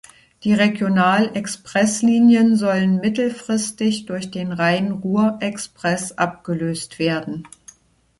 Die Regional-Express-Linien sollen mittelfristig durch den Rhein-Ruhr-Express abgelöst werden.